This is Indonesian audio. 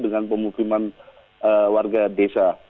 dengan pemukiman warga desa